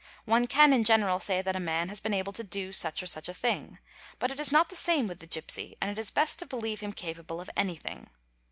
One can in general say that a man has been able to do such or such a thing ; but it is not the same with the gipsy, and it is best to believe him capable of anything.